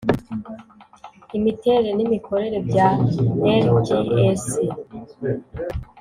imiterere n’imikorere bya rgac